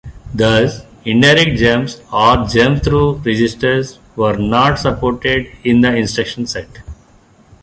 Thus, indirect jumps, or jumps through registers, were not supported in the instruction set.